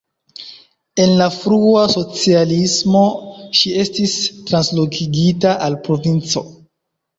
En la frua socialismo ŝi estis translokigita al provinco.